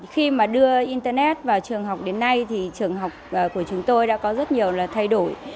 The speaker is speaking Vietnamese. khi mà đưa internet vào trường học đến nay thì trường học của chúng tôi đã có rất nhiều là thay đổi